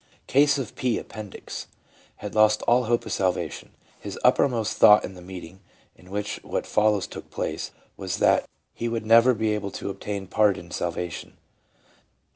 Case of P. (Appendix. ) Had lost all hope of salvation ; his uppermost thought in the meeting in which what follows took place, was that he would never be able to obtain pardon and sal vation.